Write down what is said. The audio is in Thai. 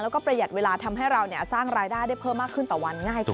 แล้วก็ประหยัดเวลาทำให้เราสร้างรายได้ได้เพิ่มมากขึ้นต่อวันง่ายขึ้น